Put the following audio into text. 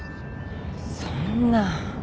そんな。